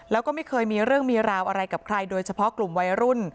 แล้วก็ไม่เคยมีเรื่องมีราวอะไรกับใครโดยเฉพาะกลุ่มวัยรุ่น